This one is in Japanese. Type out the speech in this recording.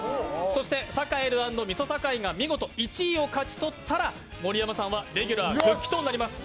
そしてサカエル＆みそさかいが見事１位を勝ち取ったら盛山さんはレギュラー復帰となります。